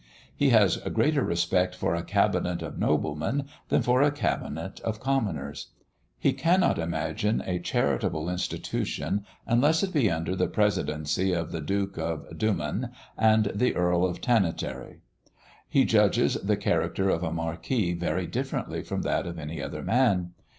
He has greater respect for a cabinet of noblemen than for a cabinet of commoners; he cannot imagine a charitable institution unless it be under the presidency of the Duke of Dumman and the Earl of Tanitary; he judges the character of a Marquis very differently from that of any other man.